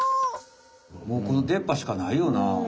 もうこのでっ歯しかないよな。